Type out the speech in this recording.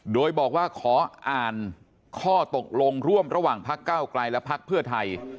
โดยบอกว่าขออ่านข้อตกลงร่วมระหว่างพักเก้าไกลและพักเพื่อไทย